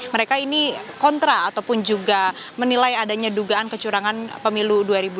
mereka ini kontra ataupun juga menilai adanya dugaan kecurangan pemilu dua ribu dua puluh